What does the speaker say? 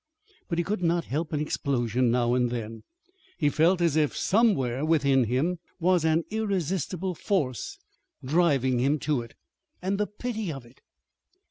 But he could not help an explosion now and then. He felt as if somewhere, within him, was an irresistible force driving him to it. And the pity of it!